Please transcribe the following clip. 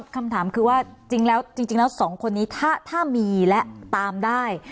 คำถามคือว่าจริงแล้วสองคนนี้ถ้ามีและตามได้